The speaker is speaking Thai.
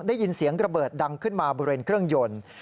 ได้ยินเสียงระเบิดดังขึ้นมาบริเวณเครื่องยนต์